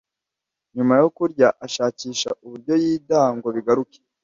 nyuma yo kurya ashakisha uburyo yidaha ngo bigaruke